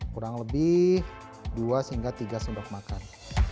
kurang lebih dua hingga tiga sendok makan